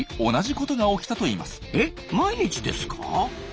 え毎日ですか？